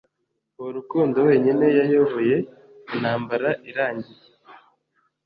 uwo Rukundo wenyine yayoboye intambara irangiye